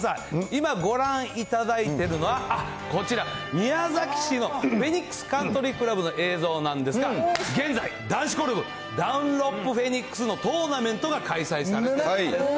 今、ご覧いただいているのは、あっ、こちら、宮崎市のフェニックスカントリークラブの映像なんですが、現在、男子ゴルフダンロップフェニックスのトーナメントが開催されています。